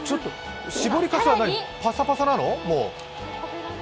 搾りかすはパサパサなの？